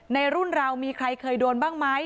ในรุ่นเรามีใครเคยโดนบ้างไหม